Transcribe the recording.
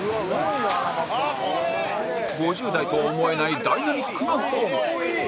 ５０代とは思えないダイナミックなフォーム